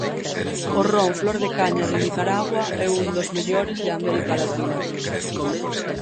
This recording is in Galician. O ron "Flor de Caña" de Nicaragua é un dos mellores de América Latina.